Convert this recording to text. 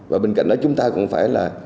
và bên cạnh đó chúng ta cũng phải là